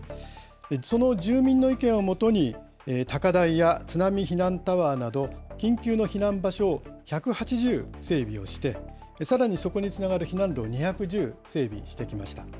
その住民の意見をもとに、高台や津波避難タワーなど、緊急の避難場所を１８０整備をして、さらにそこにつながる避難路、２１０整備してきました。